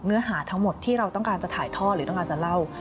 เนื้อหาทั้งหมดที่เราต้องการจะถ่ายทอดหรือต้องการจะเล่า